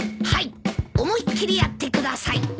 はい思いっ切りやってください。